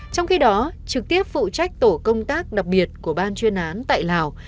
trong khi đó trực tiếp phụ trách tổ công tác đặc biệt của ban chuyên án tại lào